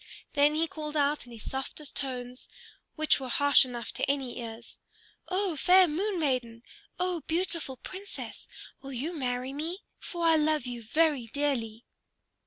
Then he called out in his softest tones, which were harsh enough to any ears, "O fair Moon Maiden, O beautiful Princess, will you marry me? For I love you very dearly."